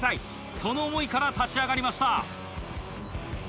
その思いから立ち上がりました。